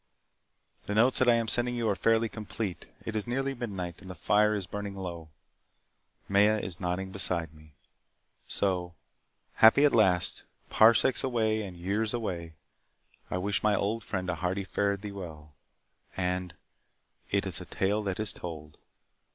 The notes that I am sending you are fairly complete. It is nearly midnight and the fire is burning low. Maya is nodding beside me. So happy at last parsecs away and years away I wish my old friend a hearty fare thee well and IT IS A TALE THAT IS TOLD.